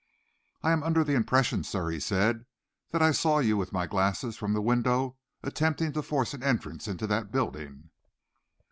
"I am under the impression, sir," he said, "that I saw you with my glasses from the window attempting to force an entrance into that building."